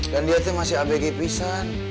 dan dia tuh masih abg pisang